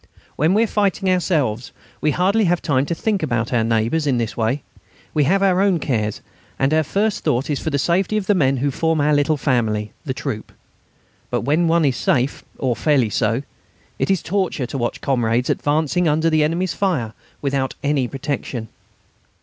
When we are fighting ourselves we hardly have time to think about our neighbours in this way. We have our own cares, and our first thought is the safety of the men who form our little family, the troop. But when one is safe, or fairly so, it is torture to watch comrades advancing under the enemy's fire without any protection.